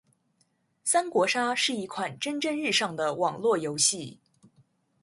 三国杀是一款蒸蒸日上的网络游戏。